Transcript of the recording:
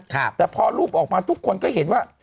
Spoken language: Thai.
แต่พอรูปออกมาทุกคนก็เห็นว่า